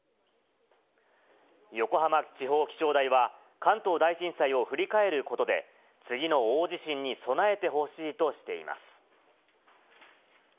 横浜地方気象台は、関東大震災を振り返ることで、次の大地震に備えてほしいとしています。